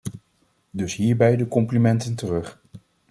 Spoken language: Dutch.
Dus hierbij de complimenten terug.